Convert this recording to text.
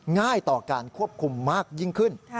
ง่ายต่อการควบคุมมากยิ่งขึ้น